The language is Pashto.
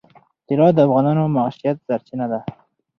طلا د افغانانو د معیشت سرچینه ده.